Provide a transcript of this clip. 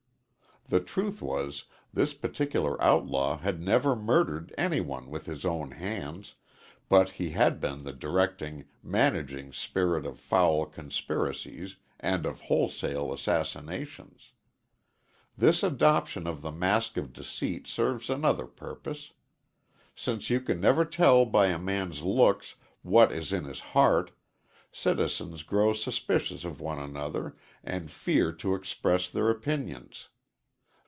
The truth was, this particular outlaw had never murdered any one with his own hands, but he had been the directing, managing spirit of foul conspiracies and of wholesale assassinations. This adoption of the mask of deceit serves another purpose. Since you can never tell by a man's looks what is in his heart, citizens grow suspicious of one another, and fear to express their opinions.